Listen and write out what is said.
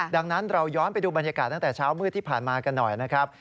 ดังนั้นเราย้อนไปดูบรรยากาศตั้งแต่เช้ามืดที่ผ่านมากันหน่อยนะครับ